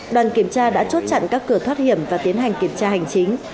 đoàn kiểm tra đã chốt chặn các cửa thoát hiểm và tiến hành kiểm tra hành chính